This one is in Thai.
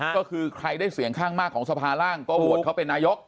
ก็คือใครได้เสียงข้างมากของสภาร่างก็โหวตเขาเป็นนายก